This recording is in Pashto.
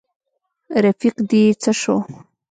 رفیق دي څه شو.